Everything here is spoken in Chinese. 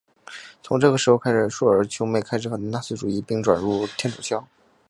从这个时候开始朔尔兄妹开始反对纳粹主义而转向天主教。